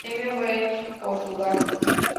Premio Bell´Art, Portugal.